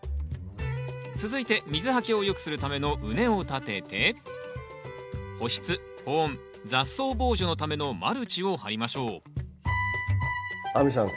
続いて水はけをよくするための畝を立てて保湿・保温・雑草防除のためのマルチを張りましょう亜美さん